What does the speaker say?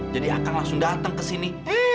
jadi akang langsung dateng kesini